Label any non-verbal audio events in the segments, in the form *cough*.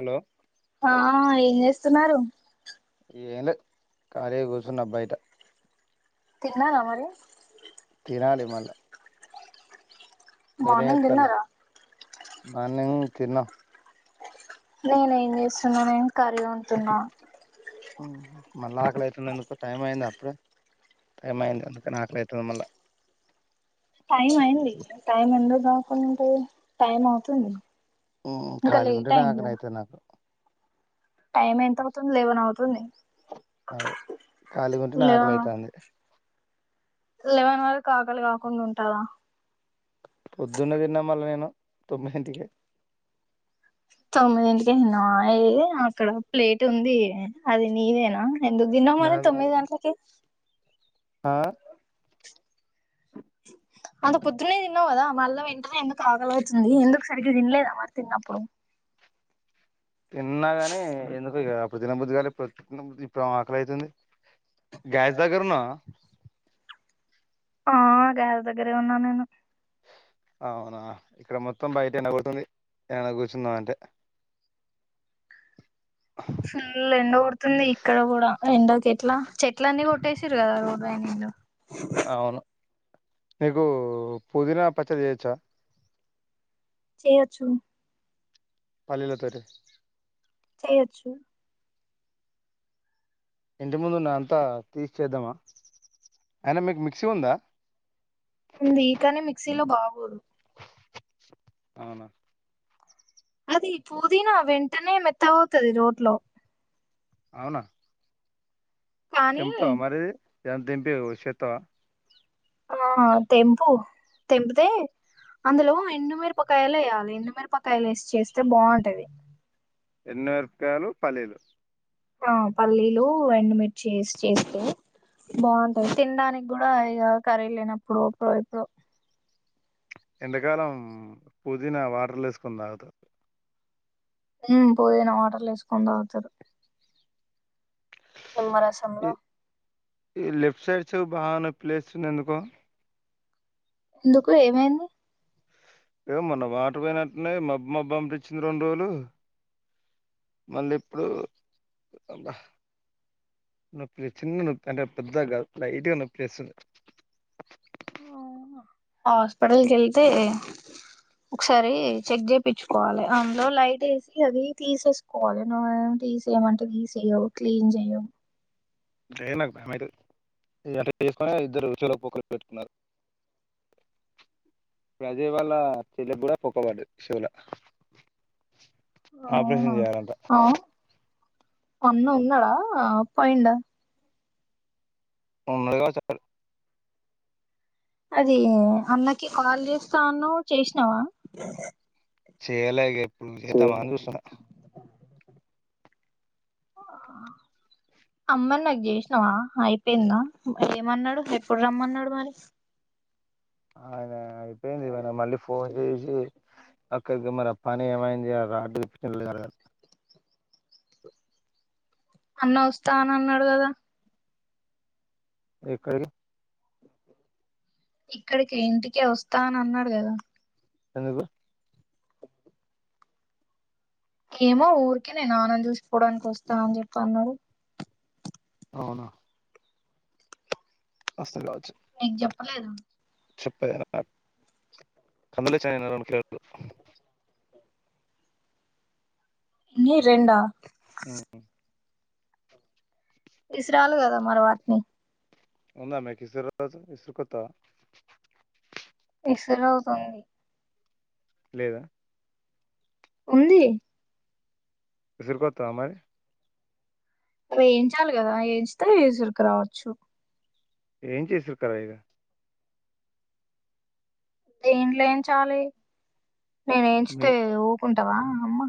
Hello ఆ ఏం చేస్తున్నారు ఏమి లేదు కాళీగ కూర్చున్న బయట తిన్నా నా మరి తినాలి మళ్ళ మార్నింగ్ తిన్నార మార్నింగ్ తిన్న నేను ఏం చేస్తున్నా నేను కాళీగానే ఉంటున్నా మళ్ళా ఆకలి అయితుంది ఎందుకో టైం అయిందా అప్పుడే టైం అయింది అందుకే ఆకలి అవుతుంది మళ్ళా టైమ్ అయింది టైమ్ ఉందు గా ఉంటే టైమ్ అవుతుంది మ్మ్ ఇంకా ఖాళీగా లేట్ ఉంటే అయింది ఆకలి కదా అయితాది నాకు టైం ఎంత అవుతుంది లేవన్ అవుతుంది అవ్ ఖాళీగా ఉంటానే ఆకలి లెవెన్ అయితాంది లెవెన్ వరకు ఆకలి కాకుండా ఉంటావా పొద్దున్నే తిన్నా మళ్ళా నేను తొమ్మిందింటికే తొమ్మిది ఇం *inaudible* టికనా ఏ అక్కడ ప్లేట్ ఉంది అది నీదేనా ఎందుకు దినల మరి నాలుగు తొమ్మిది గంటలకే ఆ అంత పొద్దునే తిన్నావు కదా మళ్ళ వెంటనే ఎందుకు ఆకలి అవుతుంది. ఎందుకు సరిగ్గా తినలేదా మరి తిన్నప్పుడు తిన్నాగాని ఎందుకొ ఇగ ఇప్పుడు తినబుద్ధి కాలే ప్రతి ఇప్పుడేమో ఆకలి అవుతుంది గాయ్స్ దగ్గర ఉన్నావా? ఆ గాయ్స్ దగ్గరే ఉన్నా నేను. అవునా ఇక్కడ మొత్తం బయట ఎండ కొడుతుంది, ఎక్కడైనా కూర్చుందాం అంటే. ఫుల్ ఎండ కొడుతుంది ఇక్కడ కూడా ఎండకి ఎట్లా చెట్ల అన్నీ కొట్టేసిరు కదా బా నేను అవును నీకు పుదీనా పచ్చడి చేయచ్చా చేయొచ్చు పళ్లిలతోటి చేయచ్చు ఇంటి ముందు ఉన్నది అంతా తీసేద్దామా అయినా మీకు మిక్సీ ఉందా ఉంది కానీ మిక్సీలో బాగోదు అవునా అది పుదీనా వెంటనే మెత్తగా అవుతాది రోట్లొ అవునా కానీ తింటావా మరి ఇందంతా తింటే నువ్వు ఉడ్చిపెడతావ ఆ తెంపు తెంపితే అందులో ఎండుమిరపకాయలు వేయాలి ఎండుమిరపకాయలు వేసి చేస్తే బాగుంటది ఎండు మిరపకాయలు, పల్లీలు ఆ పల్లీలు ఎండుమిర్చి వేసి చేస్తే బాగుంటాయి తినడానికి కూడా ఇక కర్రీ లేనప్పుడు ఎప్పుడు ఎప్పుడు ఎండాకాలం పుదీనా వాటర్‌ లో వేసుకొని తాగుత ఉమ్ పుదినా వాటర్‌ లో వేసుకొని తాగుతారు ఈ నిమ్మరసంలో ఈ లెఫ్ట్ సైడ్ చెవ్వు బాగా నొప్పి లేస్తుంది ఎందుకో ఎందుకు ఏమైంది ఏ మొన్న వాటర్ పోయినట్టున్నాయి మబ్బు మబ్బు అనిపించింది రెండు రోజులు మళ్ళీ ఇప్పుడు అబ్బా నొప్పొచ్చింది అంటే పెద్దగా కాదు లైట్‌గా నొప్పి లేస్తుంది. హాస్పిటల్కి వెళ్తే ఒకసారి చెక్ చేపిచ్చుకోవాలి అందులో లైట్ వేసి అది తీసేసుకోవాలి నువ్వు తీసేయమంటే తీసేయవు క్లీన్ చేయవు లే నాకు భయం అయితది నాకు అట్లా చేసుకుని ఇద్దరు చెవిలో బొక్కలు పెట్టుకున్నారు ఇప్పుడూ అజయ్ వాళ్ళ చెల్లె కూడా బొక్క పడ్డది, చెవుల ఆపరేషన్ అవునా చేయాలంటా అవును అన్న ఉన్నాడా పోయిండా ఉండరుగా సార్ ఊ అది అన్నకి కాల్ చేస్తా అన్నావ్ చేసినావా చేయలేగా ఇప్పుడు చేద్దామా అని చూస్తున్నా స అమ్మని నాకు చేసినావా అయిపోయిందా ఏమన్నాడు ఎప్పుడు రమ్మన్నాడు మరి ఆ ఆయన అయిపోయింది ఈవనా మళ్ళీ ఫోన్ చేసి అక్కకి మరి ఆ పని ఏమైంది? ఆ రాడ్లు *unintelligible* అన్న వస్తా అన అన్నాడు కదా ఎక్కడికి ఇక్కడికి ఇంటికే వస్తా అని అన్నాడు కదా ఎందుకు ఏమో ఊరికే నేను నాన్నను చూసిపోవడానికి వస్తా అని చెప్ప అన్నారు అవునా వస్తది కావచ్చు నీకు చెప్పలేదు చెప్తా ఇగ కందుల *unintelligible* ఎన్ని రెండా ఉమ్ ఇసు రాలు కదా మరి వాటిని ఉంద మీకీ ఇసుర్ రాజ ఇసురు కొత్తావ సరే అవుతుంది లేదా ఉంది ఇసురుకొత్తవా మరి అ వేయించాలి కదా వేయించతే ఇసురుకు రావచ్చు ఏం చేసారు కదా ఇగా దేంట్లో ఏంచాలీ నేను ఏంచితే మిన్ ఊకుంట వా అమ్మా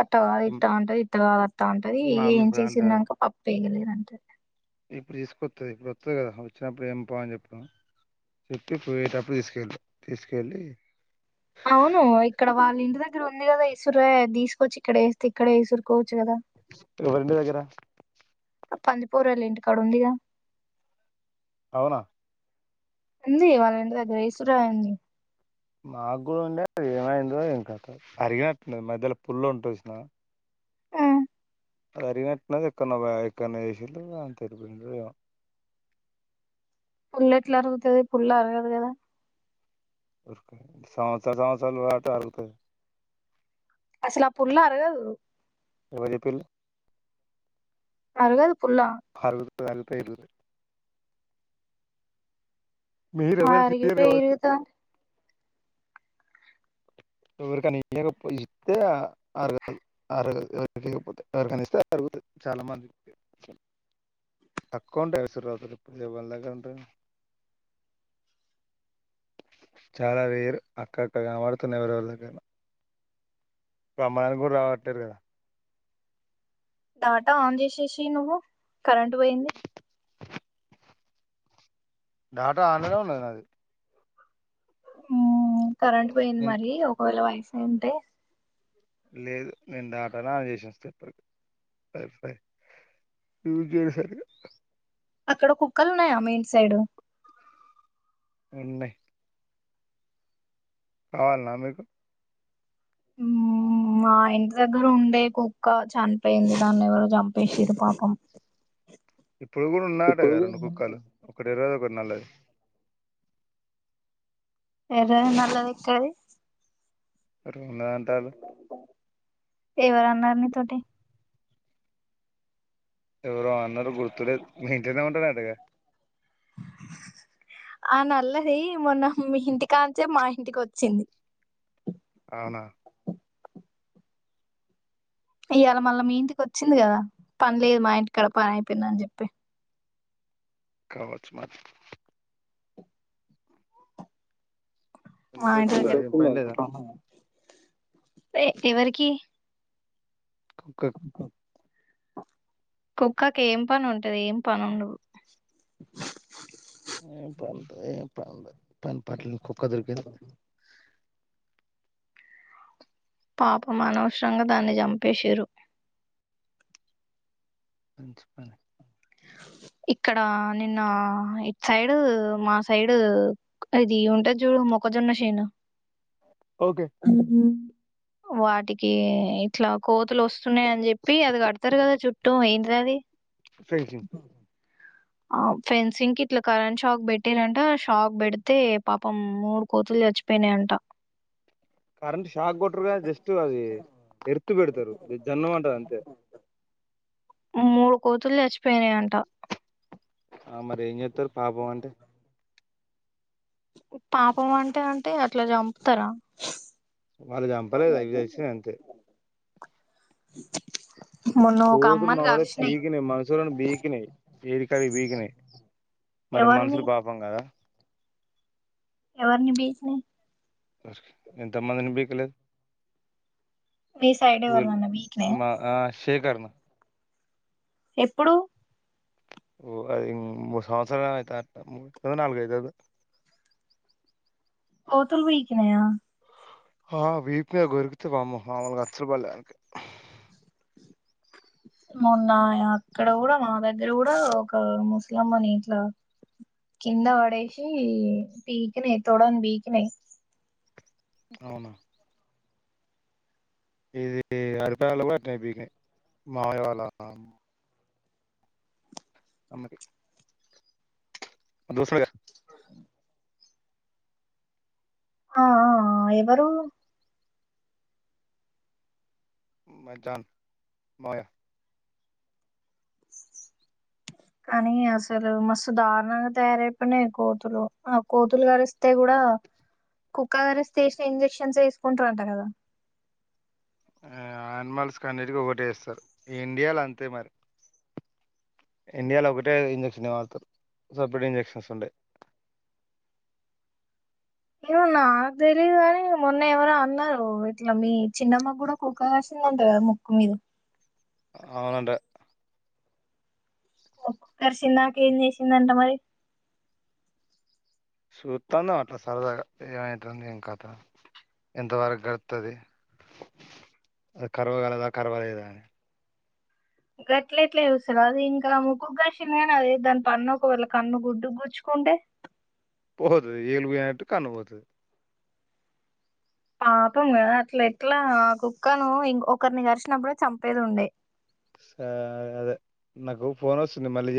అట్ట కాదు ఇట్ట అంటది ఇట్ట కాదు అట్టా అంటది మా అమ్మ ఏం ఇప్పుడు అంటది చేసిందానుక పప్పుయలేదు నంటే ఇప్పుడు తీసుకొస్తుంది ఇప్పుడు వస్తుంది కదా వచ్చినప్పుడు ఏం పావని చెప్ప చెప్పి పోయేటప్పుడు తీసుకెళ్ళి తీసుకేళ్ళి అవును ఇక్కడ వాళ్ళ ఇంటి దగ్గర ఉంది కదా ఇసురాయీ తీసుకోవచ్చు ఇక్కడ వేస్తే ఇక్కడే ఇసురుకోవచ్చు కదా ఎవరి ఇంటి దగ్గర పంది పోరాలు ఇంటి కాడ ఉందిగా అవునా ఉంది వాళ్ళ ఇంటి దగ్గర ఇసురాయీ ఉంది మాకు కూడా ఉండే అది ఏమైందో ఏకత్తో అరిగినట్టు మధ్యలో పుల్లు ఉంటది చూసినవా అది అరిగినట్టుది ఎక్కన్నా ఎక్కడనా వేసిళ్లు అంతే ఎటు పోయిందో ఏమో పుల్ల ఎట్లా అరుగుతుది పులు అరగదు కదా సంవత్సర సంవసరాలు వాడితే అరుగుతాది అసలు ఆ పుల్ల అరగదు ఎవరు చెప్పిండ్లు అరగదు పుల్ల రాళ్ళతో ఇరుగుతాయి మీరు ఆ ఎవరికి ఇయ్యరు అరిగిపోయి కావచ్చు ఇరుగుత ఎవరికని ఇయ్యాకపోతే అరగదు ఎవరికని ఇస్తే అరుగుత చాలా మంది తక్కువ ఉంటాయి ఇసురాళ్ళు ఇప్పుడు ఎవరి దగ్గర ఉంటాయి చాలా రేర్ అక్కక్కడ కనబాడుతున్నయి ఎవరిఎవరి దగ్గరన్న రమ్మన్నా కూడా రావట్లేరు కదా డాటా ఆన్ చేసేసి నువ్వు కరెంట్ పోయింది డాటా ఆనేలోనే ఉన్నది నాది ఊ కరెంట్ పోయింది మరి ఒకవేళ వాయిస్ ఇంటె లేదు నేను డాటన అని చేసిన సపరేటు సరే సర యూజ్ చేసేసరిగా అక్కడ కుక్కలు ఉన్నాయా మీ ఇంటి సైడ్ ఉన్నాయ్ కావాలన మీకు మ్ మా ఇంటి దగ్గర ఉండే కుక్క చన్పోయింది దాన్ని ఎవరో చంపేసిన్రు పాపం ఇప్పుడు గుడా ఉన్నయటగా రెండు కుక్కలు ఒకటి ఎర్రది ఇంకోట్ నల్లది ఎర్రనే నల్లది ఎక్కడ్డి రొండు అంటాన్లు ఎవరన్నర్ నీతోటి ఎవరో అన్నర్ గుర్తు లేద్ మీ ఇంట్లనే *unintelligible* అంతేగా ఆ నల్లది మొన్న మీ ఇంటికాంచే మా ఇంటిక్ వచ్చింది అవునా ఇయాళ మళ్ళ మీ ఇంటికొచ్చింది కదా పన్లేదు మా ఇంటి కాడ పనైయిపోయింద అని చెప్పి కావచ్చు మరి ఎందుకు వాయిస్ వచ్చిందో ఇంటె ఏం పని లేదా ఎవరికి కుక్క *unintelligible* కుక్కాకి ఏం పని ఉంటది ఏం పని ఉండవు ఏం పని ఏం పని పని పట్ల కుక్క దొరికింది పాపం అనవసరంగా దాన్ని చంపేశిర్రూ హు చెప్పండి ఇక్కడా నిన్నా ఇట్ సైడ్ మా సైడ్ ఇది ఉంటది చూడు మొక్కజొన్న షేను ఓకే అ వాటికి ఇట్ల కోతులు వస్ స్తున్నయి అని చెప్పి అది కడ్తారు కదా చుట్ టో ఏంటిదది పెన్సింగ్ ఆ ఫెన్సింగ్కి ఇట్లా కరెంట్ షాక్ బెట్టిరంట షాక్ బెడ్తే పాపం మూడు కోతులు చచ్చిపోయినయంట కరెంట్ షాక్ గొట్రురుగా జస్ట్ అది ఎర్త్ పెడ్తరు జన్మంటది అంతే మూడు కోతులు చచ్చిపోయినయి అంట ఆ మరి ఏం చేత్తరు పాపం అంటే పాపం అంటే అంటే అట్లా చంపుతరా వాళ్ళు చంపలేదు అవి సచ్చినయి అంతే మొన్న ఒక కోతులు అమ్మని మాముల్గా కరిసినాయి పీకినయి మనుషులను బీకినయి ఏడికయి బీకినాయి మరి ఎవరిని మనుషులు పాపం కదా ఎవర్ని బీకినయ్ ఎంతమందిని బీకలేదు మీ సైడే ఎవర్నన్న బీకినయా శేఖర్నా ఎప్పుడు ఓ అది ము మూడ్ సంవత్సర అయిత *unintelligible* నాలుగయితాందో కోతులు బీకినయా ఆ వీప్ మీద గొరికితే వామ్మో మామూలుగా అచ్చలు పడ్లే ఆనికి మొన్న అక్కడ గుడా మా దగ్గర గుడా ఒక ముస్లమ్మని ఇట్లా కింద పడేసి బీకినయి తొడని బీకినయి అవునా ఇది *unintelligible* మాయవల్ల అమ్మకి *unintelligible* హహ ఎవరు? మ జన్ మ కానీ అసలు మస్తు దారుణంగా తయార్ అయితూనై కోతులు, ఆ కోతులు కరిస్తే కూడా కుక్క కరిస్తే వేసిన ఇంజక్షన్స్ వేసుకుంటారుంట కదా. ఆ ఆనిమల్స్ కన్నిటిక ఒకటి వేస్తారు ఇండియాలో అంతే మరి ఇండియాలో ఒకటే ఇంజెక్షన్త్రం వాడతారు సపరేట్ ఇంజెక్షన్స్ ఉండాయ్ ఏ నక్ తెలియదు గాని మొన్న ఎవరో అన్నారు, ఇట్లా మీ చిన్నమ్మ కూడా కుక్క కరిసిందింత కదా ముక్కు మీద్ అ అంట కుక్క కార్చినక ఏం చేసింది అంట మరి చుత్తాన్న అట్ల సరదాగా ఏమైతుంది ఏం కథ ఎంతవరకు గడ్తది అది కరవగలదా కర్వలేదా అని గట్ల ఎట్ల చూస్తరు అది ఇంకా నా ముక్కుక్ కరిసింది కానీ అది దాని పన్ను ఒకవేళ కన్ను గుడ్డు గుచ్చుకుంటే పోదు యేలు పోయినట్టు కన్ను పోతది పాపం కదా అట్ల ఎట్లా ఆ కుక్కను ఇం ఒకరిని కరిచినప్పుడుే చంపేది ఉండే స అదే నాకు ఫోన్ వస్తుంది మళ్ళీ చెయ్